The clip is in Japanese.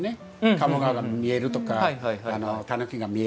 鴨川が見えるとかタヌキが見えるとか。